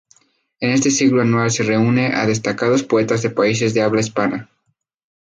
En este ciclo anual se reúne a destacados poetas de países de habla hispana.